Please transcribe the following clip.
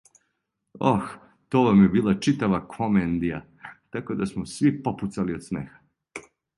Ох, то вам је била читава комендија, тако да смо сви попуцали од смеха.